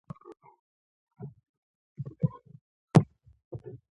د تهران غرونه د ژمي ښکلا لري.